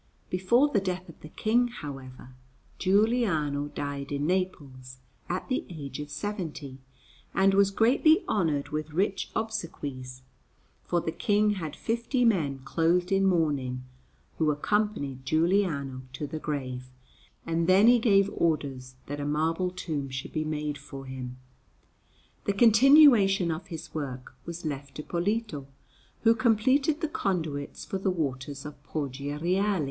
Before the death of the King, however, Giuliano died in Naples at the age of seventy, and was greatly honoured with rich obsequies; for the King had fifty men clothed in mourning, who accompanied Giuliano to the grave, and then he gave orders that a marble tomb should be made for him. The continuation of his work was left to Polito, who completed the conduits for the waters of Poggio Reale.